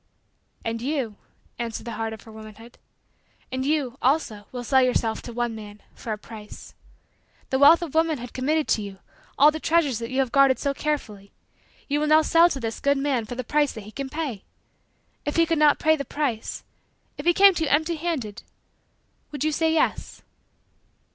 "And you," answered the heart of her womanhood, "and you, also, will sell yourself to one man, for a price. The wealth of womanhood committed to you all the treasures that you have guarded so carefully you will sell now to this good man for the price that he can pay. If he could not pay the price if he came to you empty handed would you say yes?"